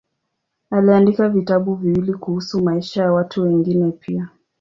Aliandika vitabu viwili kuhusu maisha ya watu wengine pia.